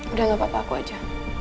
udah gak apa apa aku aja